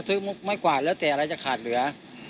ซึ่งไม่กว่าเลือดแสอะไรจะขาดเหลือ